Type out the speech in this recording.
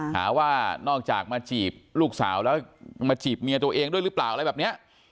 หาว่านอกจากมาจีบลูกสาวแล้วมาจีบเมียตัวเองด้วยหรือเปล่าอะไรแบบนี้